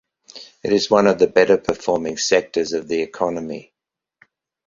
It is one of the better performing sectors of the economy.